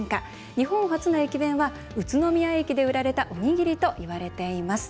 日本初の駅弁は宇都宮駅で売られたおにぎりといわれています。